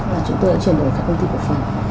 là chúng tôi đã chuyển đổi với các công ty bộ phòng